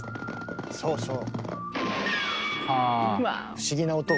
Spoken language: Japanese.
そうそう。